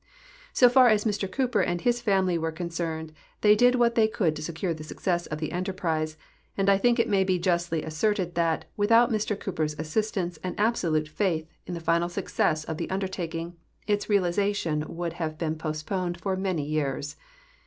So far as Mr Cooper and his famil}' were con cerned, they did what they could to secure the success of the enterprise, and I think it may he justly asserted that, without Mr Coo])er's assistance and absolute faith in the final success of the undertaking, its realization would have been postponed for many j^ears.